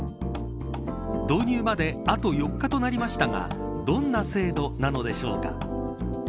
導入まであと４日となりましたがどんな制度なのでしょうか。